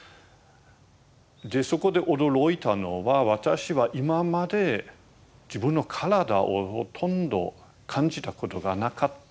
でそこで驚いたのは私は今まで自分の体をほとんど感じたことがなかった。